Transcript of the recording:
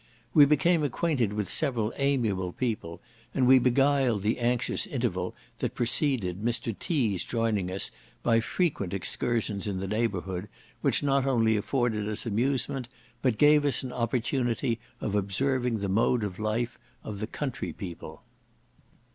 We became acquainted with several amiable people, and we beguiled the anxious interval that preceded Mr. T.'s joining us by frequent excursions in the neighbourhood, which not only afforded us amusement, but gave us an opportunity of observing the mode of life of the country people.